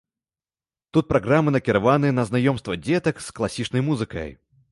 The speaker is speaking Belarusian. Тут праграмы накіраваныя на знаёмства дзетак з класічнай музыкай.